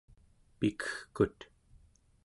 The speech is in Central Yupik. pikegkut